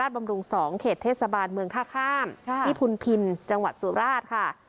บำรุงสองเขตเทศบาลเมืองข้างข้ามค่ะที่จังหวัดสุราชค่ะ